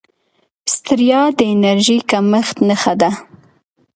ستړیا د انرژۍ کمښت نښه ده